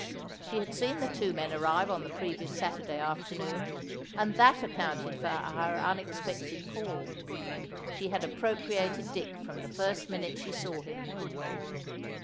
She had seen the two men arrive on the previous Saturday afternoon, and that accounted for her unexpected call. She had appropriated Dick from the first minute she saw him.